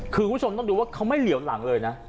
คือคุณผู้ชมต้องดูว่าเขาไม่เหลียวหลังเลยนะ